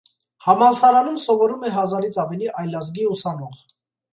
Համալսարանում սովորում է հազարից ավելի այլազգի ուսանող։